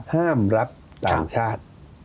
ห้ามรับต่างชาติ